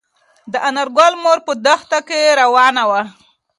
د انارګل مور په دښته کې روانه وه.